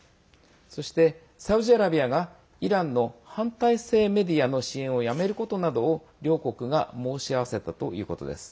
そして、サウジアラビアがイランの反体制メディアの支援をやめることなどを、両国が申し合わせたということです。